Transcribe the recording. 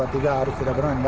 kita harus tidak berani